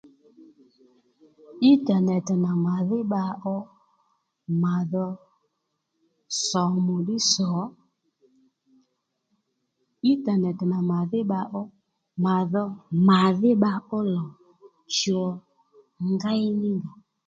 Intànèt nà màdhí bba ó mà dho sòmù ddí sò Intànèt nà màdhí bba ó mà dho màdhí bba ó lò cho ngéy ní ngà